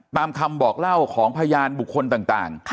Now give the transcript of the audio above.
ตามคำบอกเล่าของพยานบุคคลต่าง